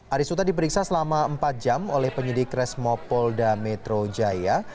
arisuta diperiksa selama empat jam oleh penyidik resmo polda metro jaya